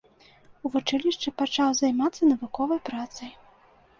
У вучылішчы пачаў займацца навуковай працай.